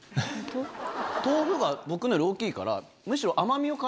豆腐が僕のより大きいからむしろ甘みを感じます。